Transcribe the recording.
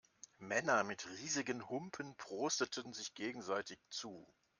Männer mit riesigen Humpen prosteten sich gegenseitig zu.